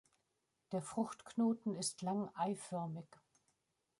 Der Fruchtknoten ist lang eiförmig.